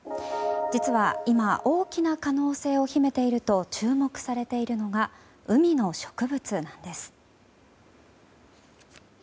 実は今、大きな可能性を秘めていると注目されているのが海の植物なんです。